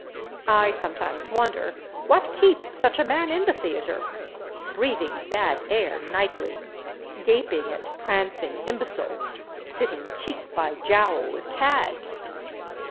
I sometimes wonder what keeps such a man in the theater, breathing bad air nightly, gaping at prancing imbeciles, sitting cheek by jowl with cads.